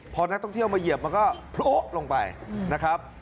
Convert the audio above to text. พอนักท่องเที่ยวมาเหยียบมันก็โพะลงไปนะครับ